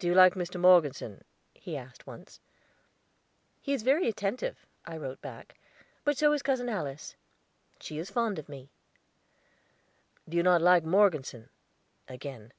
"Do you like Mr. Morgeson?" he asked once. "He is very attentive," I wrote back. "But so is Cousin Alice, she is fond of me." "You do not like Morgeson?" again.